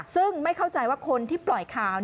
ซึ่งไม่เข้าใจว่าคนที่ปล่อยข่าว